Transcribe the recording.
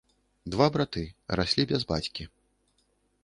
Два браты, раслі без бацькі.